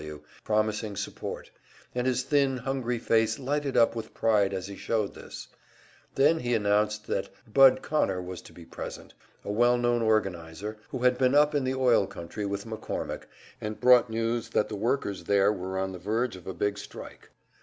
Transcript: W., promising support, and his thin, hungry face lighted up with pride as he showed this. Then he announced that "Bud" Connor was to be present a well known organizer, who had been up in the oil country with McCormick, and brought news that the workers there were on the verge of a big strike.